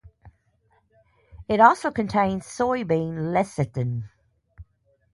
It also contains soybean lecithin.